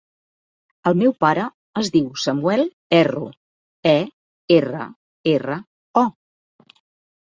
El meu pare es diu Samuel Erro: e, erra, erra, o.